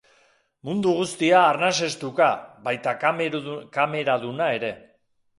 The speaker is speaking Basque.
Mundu guztia arnasestuka, baita kameraduna ere.